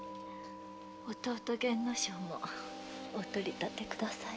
弟の源之丞もお取り立てくださいませよ。